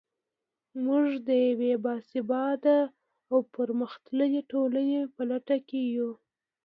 موږ د یوې باسواده او پرمختللې ټولنې په لټه کې یو.